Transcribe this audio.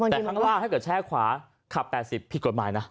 แต่ข้างล่างถ้าเกิดแช่ขวาขับ๘๐ผิดกฎหมายนะ